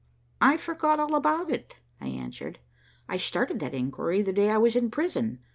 "I forgot all about it," I answered. "I started that inquiry the day I was in prison.